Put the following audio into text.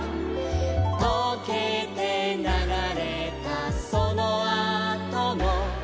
「とけてながれたそのあとも」